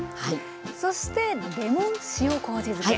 そしてレモン塩こうじ漬け。